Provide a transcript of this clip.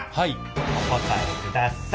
お答えください。